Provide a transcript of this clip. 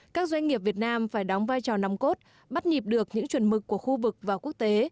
các doanh nghiệp việt nam phải đóng vai trò nòng cốt bắt nhịp được những chuẩn mực của khu vực và quốc tế